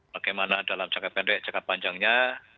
bagaimana dalam jangka pendek jangka panjangnya